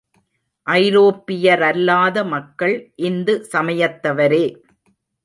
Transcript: ஐரோப்பியரல்லாத மக்கள் இந்து சமயத்தவரே.